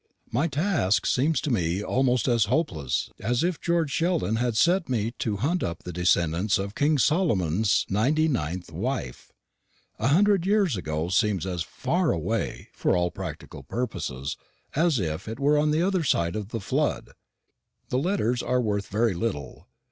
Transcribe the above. My task seems to me almost as hopeless as if George Sheldon had set me to hunt up the descendants of King Solomon's ninety ninth wife. A hundred years ago seems as far away, for all practical purposes, as if it were on the other side of the flood. The letters are worth very little.